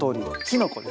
キノコ。